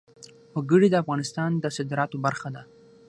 وګړي د افغانستان د صادراتو برخه ده.